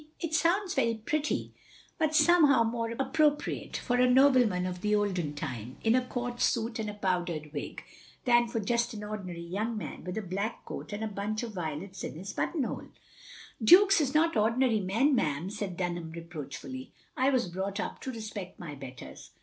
"It sounds very pretty, but somehow more appropriate for a nobleman of the olden time, in a court suit and a powdered wig, than for just an ordinary young man with a black coat and a bunch of violets in his buttonhole. " "Dukes is not ordinary men, ma'am," said Dunham reproachfully, " I was brought up to respect my betters.